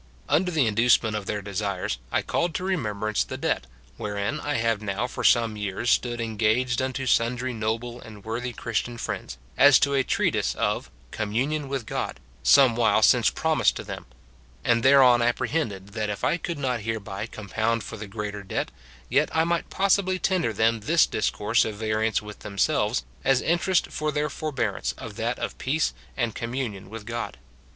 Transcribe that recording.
Under the inducement of their desires, I called to remembrance the debt, wherein I have now for some years stood engaged unto sundry noble and worthy Christian friends, as to a treatise of Communion with God, some while since promised to them ;* and thereon apprehended, that if I could not hereby compound for the greater debt, yet I might possibly tender them this discourse of vari ance with themselves, as interest for their forbearance of that of peace and communion with God.